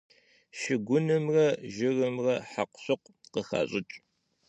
Şşıgunımre jjırımre hekhu - şıkhu khıxaş'ıç'.